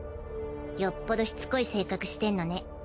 よっぽどしつこい性格してんのね。